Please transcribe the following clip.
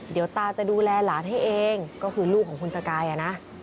เดี๋ยวตาจะดูแลหลานให้เองก็คือลูกของคุณสกายนะ